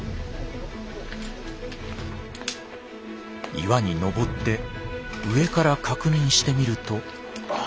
岩に登って上から確認してみると。